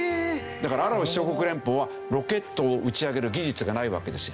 だからアラブ首長国連邦はロケットを打ち上げる技術がないわけですよ。